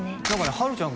はるちゃん